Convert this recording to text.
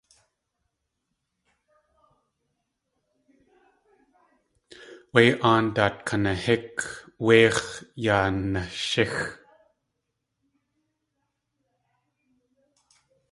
Wé aandaat kanahík wéix̲ yaa nashíx.